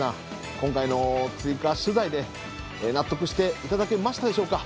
今回の追加取材で納得していただけましたでしょうか？